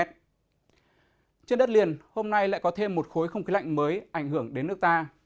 trên đất liền hôm nay lại có thêm một khối không khí lạnh mới ảnh hưởng đến nước ta